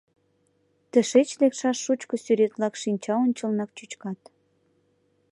Тышеч лекшаш шучко сӱрет-влак шинча ончылнак чӱчкат.